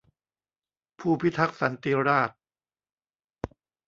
ผู้พิทักษ์สันติราษฎร์